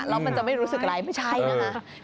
แล้วมันจะไม่รู้สึกอะไรไม่ใช่นะคะ